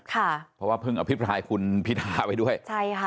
เพราะว่าเพิ่งอภิพรายคุณพิทาไว้ด้วย